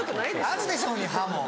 あるでしょうに歯も。